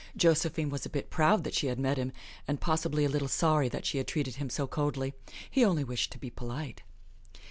Josephine was a bit proud that she had met him, and possibly a little sorry that she had treated him so coldly. He only wished to be polite!